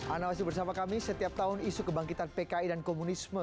anda masih bersama kami setiap tahun isu kebangkitan pki dan komunisme